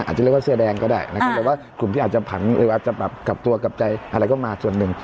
อาจจะเรียกว่าเสื้อแดงก็ได้นะครับหรือว่ากลุ่มที่อาจจะผันหรืออาจจะแบบกลับตัวกลับใจอะไรก็มาส่วนหนึ่ง